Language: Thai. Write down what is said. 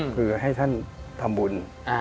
เพื่อให้ท่านทำบุญ